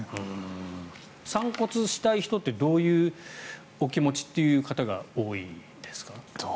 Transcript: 散骨したい人ってどういうお気持ちの方が多いんですか？